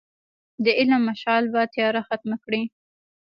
د علم مشعل به تیاره ختمه کړي.